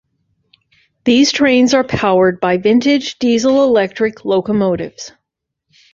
These trains are powered by vintage diesel-electric locomotives.